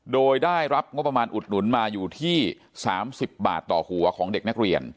โดยได้รับงบประมาณอุดหนุนมาอยู่ที่๓๐บาทต่อหัวของเด็กนักเรียน